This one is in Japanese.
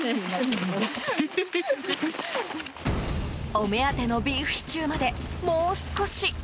お目当てのビーフシチューまでもう少し！